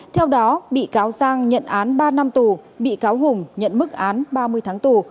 theo đó bị cáo giang nhận án ba năm tù bị cáo hùng nhận mức án ba mươi tháng tù